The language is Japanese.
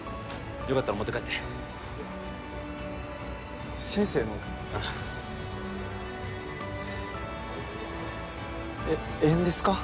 よかったら持って帰って先生の？ああええんですか？